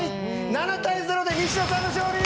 ７対０で西田さんの勝利！